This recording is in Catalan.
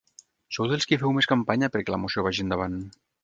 Sou dels qui feu més campanya perquè la moció vagi endavant.